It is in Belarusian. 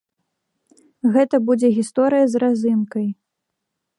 Гэта будзе гісторыя з разынкай.